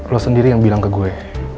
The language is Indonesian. lo sendiri yang bilang ke gue